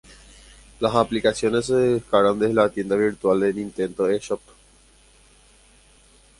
Las aplicaciones se descargan desde la tienda virtual Nintendo eShop